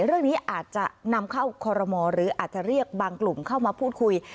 เรื่องนี้อาจจะนำเข้าคอรมอหรืออาจจะเรียกบางกลุ่มเข้ามาพูดคุย